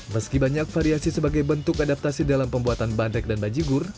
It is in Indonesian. meski banyak variasi sebagai bentuk adaptasi dalam pembuatan bandrek dan bajigur